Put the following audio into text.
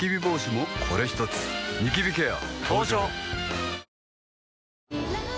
ニキビケア